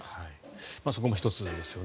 そこも１つですよね。